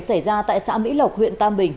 xảy ra tại xã mỹ lộc huyện tam bình